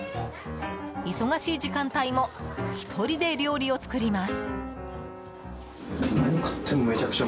忙しい時間帯も１人で料理を作ります。